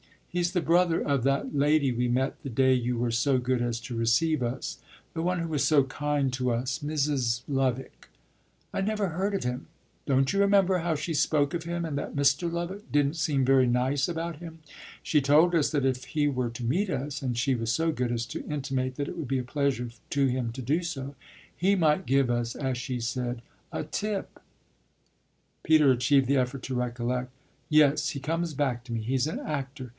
He's the brother of that lady we met the day you were so good as to receive us; the one who was so kind to us Mrs. Lovick." "I never heard of him." "Don't you remember how she spoke of him and that Mr. Lovick didn't seem very nice about him? She told us that if he were to meet us and she was so good as to intimate that it would be a pleasure to him to do so he might give us, as she said, a tip." Peter achieved the effort to recollect. "Yes he comes back to me. He's an actor."